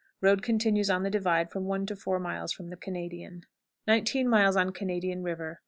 Road continues on the divide from one to four miles from the Canadian. 19. On Canadian River.